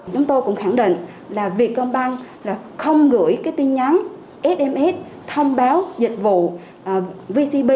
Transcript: chúng tôi cũng khẳng định là việt công banh không gửi tin nhắn sms thông báo dịch vụ vcb